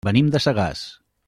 Venim de Sagàs.